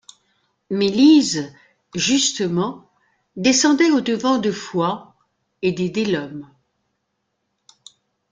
Mais Lise, justement, descendait au-devant de Fouan et des Delhomme.